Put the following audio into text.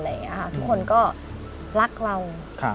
ทุกคนก็รักเรา